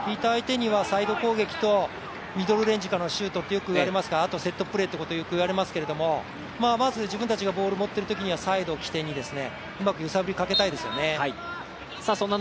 サイドからの攻撃とミドルレンジからのシュートとあと、セットプレーということをよく言われますがまず自分たちがボールを持っているときはサイドを起点にうまく揺さぶりをかけたいですよね。